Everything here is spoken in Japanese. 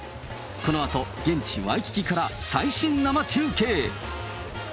このあと現地ワイキキから最新生中継。